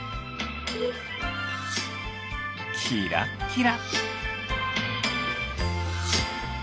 キラッキラ。